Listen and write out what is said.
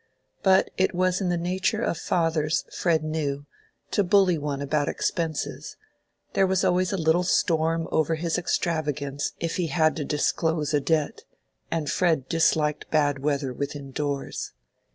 But it was in the nature of fathers, Fred knew, to bully one about expenses: there was always a little storm over his extravagance if he had to disclose a debt, and Fred disliked bad weather within doors.